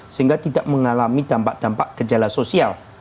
sehingga tidak mengalami dampak dampak kejala sosial